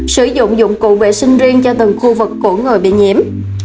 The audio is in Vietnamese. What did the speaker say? sử dụng dụng cụ vệ sinh riêng cho từng khu vực của người bị nhiễm